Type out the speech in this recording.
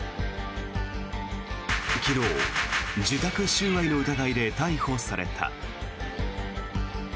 昨日、受託収賄の疑いで逮捕された。